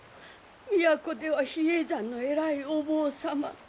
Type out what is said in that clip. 都では比叡山の偉いお坊様